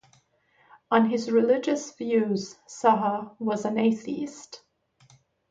On his religious views, Saha was an atheist.